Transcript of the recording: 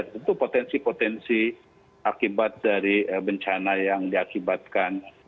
tentu potensi potensi akibat dari bencana yang diakibatkan